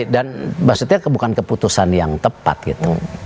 dan maksudnya bukan keputusan yang tepat gitu